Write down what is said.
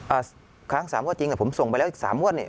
อ่าค้างสามงวดจริงแต่ผมส่งไปแล้วอีกสามงวดนี่